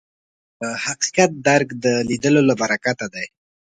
د حقیقت درک د لیدلو له برکته دی